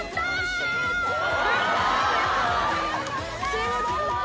ちむどんどん！